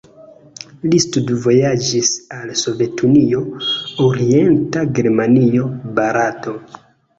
Li studvojaĝis al Sovetunio, Orienta Germanio, Barato.